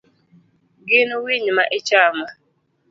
Gin winy ma ichamo?